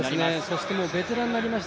そしてベテランになりました